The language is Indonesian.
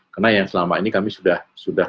karena yang selama ini kami sudah